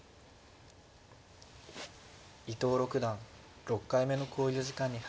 伊藤六段６回目の考慮時間に入りました。